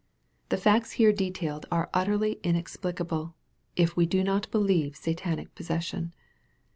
The facts here detailed are utterly inexplicable, if we do not believe Satanic possession.